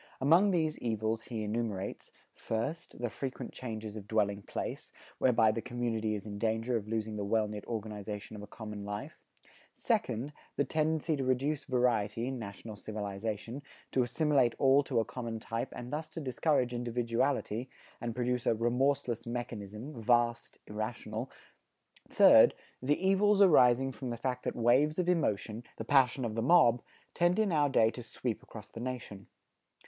Among these evils he enumerates: first, the frequent changes of dwelling place, whereby the community is in danger of losing the well knit organization of a common life; second, the tendency to reduce variety in national civilization, to assimilate all to a common type and thus to discourage individuality, and produce a "remorseless mechanism vast, irrational;" third, the evils arising from the fact that waves of emotion, the passion of the mob, tend in our day to sweep across the nation.